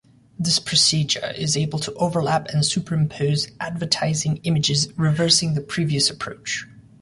This procedure is able to overlap and superimpose advertising images, reversing the previous approach.